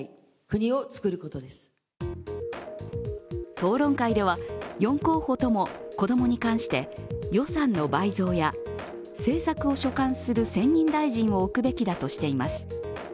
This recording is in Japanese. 討論会では４候補とも子供に関して予算の倍増や政策を所管する専任大臣を置くべきだとしています。